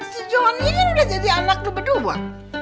si jonny kan udah jadi anak dua dua